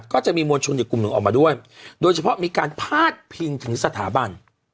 ก็จะมีมวลชนอีกกลุ่มหนึ่งออกมาด้วยโดยเฉพาะมีการพาดพิงถึงสถาบัน